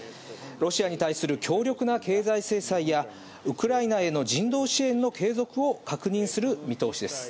ロシアに対する強力な経済制裁や、ウクライナへの人道支援の継続を確認する見通しです。